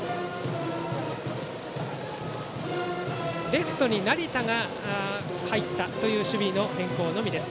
レフトに成田が入った守備の変更のみです。